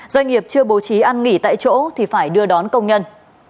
doanh nghiệp chưa bố trí ăn nghỉ tại chỗ thì phải đưa đón công nhân